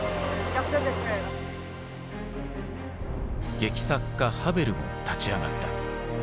劇作家ハヴェルも立ち上がった。